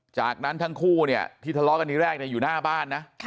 จากนั้นทั้งคู่เนี่ยที่ทะเลาะกันที่แรกอยู่หน้าบ้านนะ